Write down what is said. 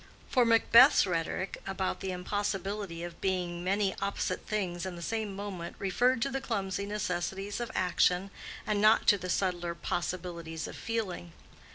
For Macbeth's rhetoric about the impossibility of being many opposite things in the same moment, referred to the clumsy necessities of action and not to the subtler possibilities of feeling.